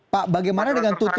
pak bagaimana dengan tutup